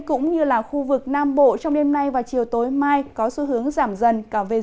cũng như là khu vực nam bộ trong đêm nay và chiều tối mai có xu hướng giảm dần